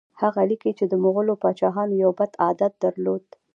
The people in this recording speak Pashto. هغه لیکي چې د مغولو پاچاهانو یو بد عادت درلود.